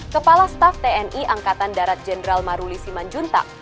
kepala staf tni angkatan darat jenderal maruli simanjuntak